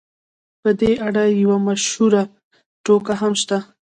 په دې اړه یوه مشهوره ټوکه هم شته.